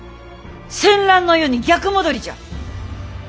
戦乱の世に逆戻りじゃ。